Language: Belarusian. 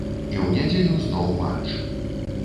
І ў нядзелю зноў матч.